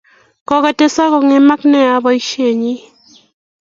Kokotestai ko ng'emak nea poisyennyi.